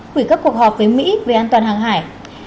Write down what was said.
bốn quỷ các cuộc họp với mỹ về an toàn hàng hải